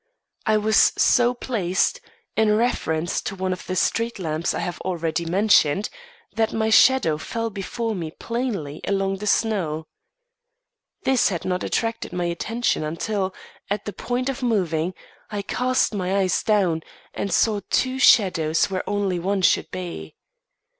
I was so placed, in reference to one of the street lamps I have already mentioned, that my shadow fell before me plainly along the snow. This had not attracted my attention until, at the point of moving, I cast my eyes down and saw two shadows where only one should be.